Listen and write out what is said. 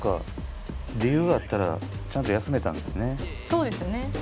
そうですね。